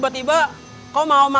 neng aku mau ambil